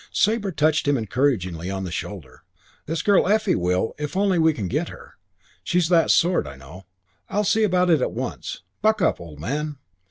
Sabre touched him encouragingly on the shoulder. "This girl Effie will if only we can get her. She's that sort, I know. I'll see about it at once. Buck up, old man."